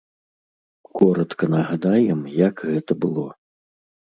Коратка нагадаем, як гэта было.